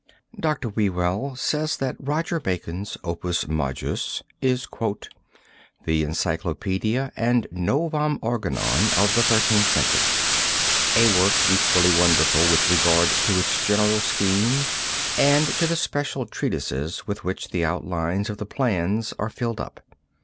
Dr. Whewell says that Roger Bacon's Opus Majus is "the encyclopedia and Novam Organon of the Thirteenth Century, a work equally wonderful with regard to its general scheme and to the special treatises with which the outlines of the plans are filled up.